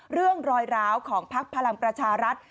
เรื่องรอยร้าวของพักพลังประชารัฐ